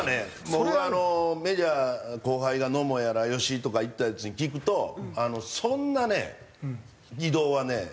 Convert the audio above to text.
僕はメジャー後輩が野茂やら吉井とか行ったヤツに聞くとそんなね移動はね